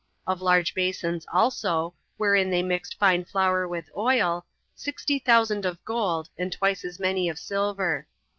Of large basons also, wherein they mixed fine flour with oil, sixty thousand of gold, and twice as many of silver.